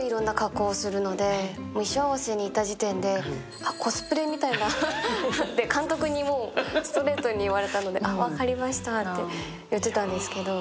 衣装合わせに行った時点でコスプレみたいと、監督にストレートに言われたので、あっ、分かりましたって言ってたんですけど。